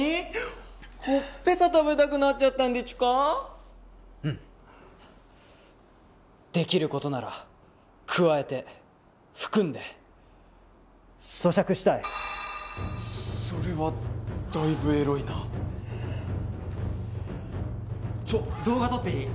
ほっぺた食べたくなっちゃったんでちゅかうんできることならくわえて含んで咀嚼したいそれはだいぶエロいなちょっ動画撮っていい？